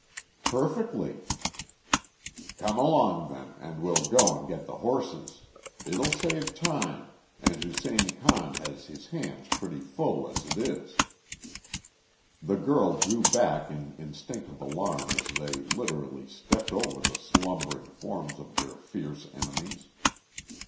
"Perfectly." "Come along then, and we'll go and get the horses. It'll save time, and Hussein Khan has his hands pretty full as it is." The girl drew back in instinctive alarm as they literally stepped over the slumbering forms of their fierce enemies.